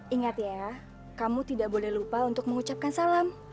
ingat ya kamu tidak boleh lupa untuk mengucapkan salam